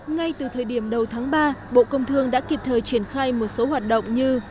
ngay từ thời điểm đầu tháng ba bộ công thương đã kịp thời triển khai một số hoạt động như